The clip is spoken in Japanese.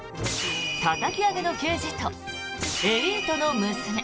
たたき上げの刑事とエリートの娘。